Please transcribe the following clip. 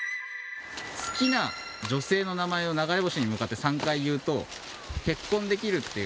好きな女性の名前を流れ星に向かって３回言うと結婚できるっていう。